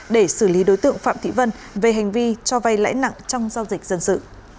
để xử lý đối tượng phạm thị vân về hành vi cho vay lãi nặng trong giao dịch dân sự